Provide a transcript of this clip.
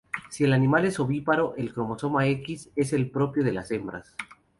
Si el animal es ovíparo el cromosoma X es el propio de las hembras.